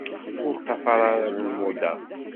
Ur ṭṭafar ara lmuḍa.